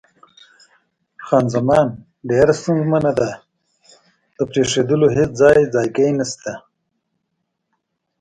خان زمان: ډېره ستونزمنه ده، د پرېښودلو هېڅ ځای ځایګی یې نشته.